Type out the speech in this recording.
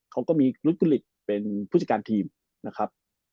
เขาก็มีรุดกุลิตเป็นผู้จัดการทีมนะครับ